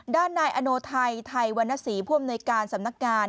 ด้านนายอโนไทยไทยวรรณศรีผู้อำนวยการสำนักงาน